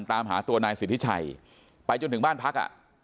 ตามหาตัวนายสิทธิชัยไปจนถึงบ้านพักอ่ะ